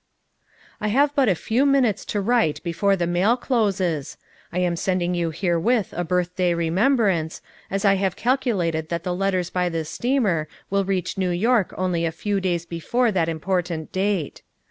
"I have but a few minutes to write before the mail closes. I am sending you herewith a birthda}' remembrance, as I have calculated that the letters by this steamer will reach New York only a few clays before that important date.